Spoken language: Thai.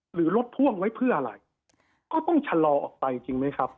หรือรถพ่วงไว้เพื่ออะไรก็ต้องชะลอออกไปจริงไหมครับ